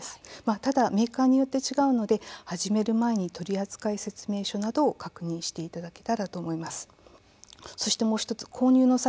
ただ、メーカーによって違うので始める前に取り扱い説明書などを確認していただけたらと思います。